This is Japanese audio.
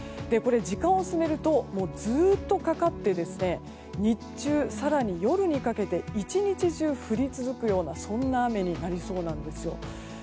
これ、時間を進めるとずっとかかって日中、更に夜にかけて一日中降り続くようなそんな雨になりそうなんですよ。